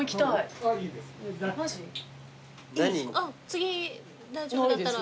次大丈夫だったら。